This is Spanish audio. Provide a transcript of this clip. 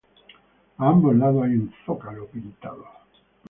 A ambos lados hay un zócalo pintado.